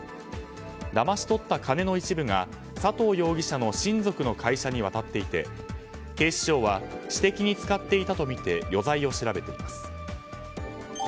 だまし取った金の一部が佐藤容疑者の親族の会社に渡っていて警視庁は私的に使っていたとみて余罪を調べています。